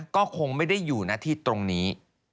ก็คงไม่ได้อยู่หน้าที่ตรงนี้